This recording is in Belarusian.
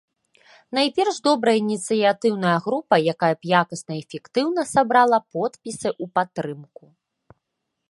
Найперш, добрая ініцыятыўная група, якая б якасна і эфектыўна сабрала подпісы ў падтрымку.